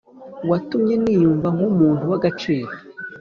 watumye niyumva nk’umuntu w’agaciro